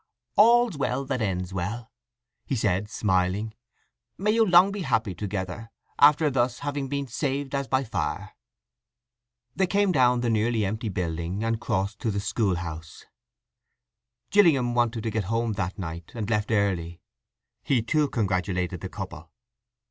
"All's well that ends well," he said smiling. "May you long be happy together, after thus having been 'saved as by fire.'" They came down the nearly empty building, and crossed to the schoolhouse. Gillingham wanted to get home that night, and left early. He, too, congratulated the couple.